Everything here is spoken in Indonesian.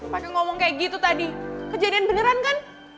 pakai ngomong kayak gitu tadi kejadian beneran kan